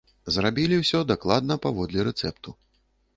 Зрабілі ўсё дакладна паводле рэцэпту.